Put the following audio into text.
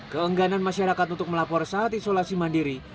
keengganan masyarakat untuk melapor saat isolasi mandiri